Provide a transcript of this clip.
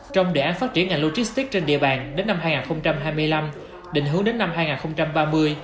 trong đề án phát triển ngành logistics trên địa bàn đến năm hai nghìn hai mươi năm định hướng đến năm hai nghìn ba mươi